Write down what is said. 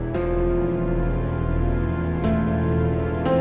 malin jangan lupa